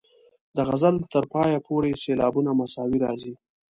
د غزل تر پایه پورې سېلابونه مساوي راځي.